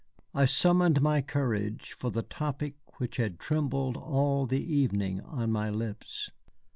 I summoned my courage for the topic which had trembled all the evening on my lips.